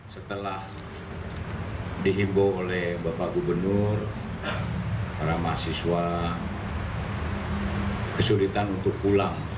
setelah dihimbau oleh bapak gubernur para mahasiswa kesulitan untuk pulang